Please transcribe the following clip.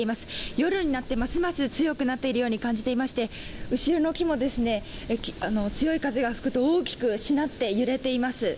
夜になってますます強くなっているように感じていまして後ろの木も、強い風が吹くと大きくしなって揺れています。